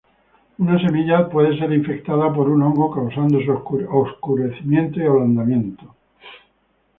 Una semilla puede ser infectada por un hongo, causando su oscurecimiento y ablandamiento.